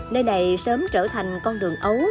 nơi này sớm trở thành con đường ấu